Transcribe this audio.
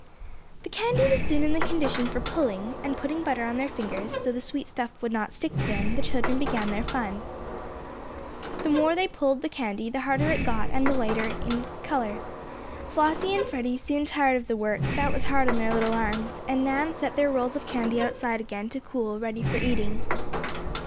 The candy was soon in the condition for "pulling" and, putting butter on their fingers, so the sweet stuff would not stick to them, the children began their fun. The more they pulled the candy the harder it got, and the lighter in color, Flossie and Freddie soon tired of the work, that was hard on their little arms, and Nan set their rolls of candy outside again to cool, ready for eating.